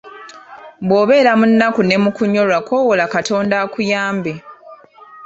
Bw’obeera mu nnaku ne mukunyolwa kowoola katonda akuyambe.